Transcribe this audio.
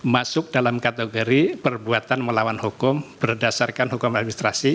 masuk dalam kategori perbuatan melawan hukum berdasarkan hukum administrasi